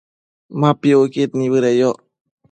Ma piucquid nibëdeyoc